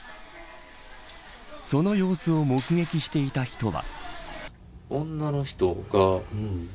その様子を目撃していた人は。